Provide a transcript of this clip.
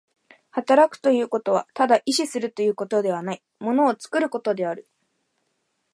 働くということはただ意志するということではない、物を作ることである。